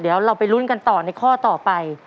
เดี๋ยวเราไปลุ้นกันต่อในข้อต่อไป